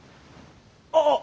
ああ。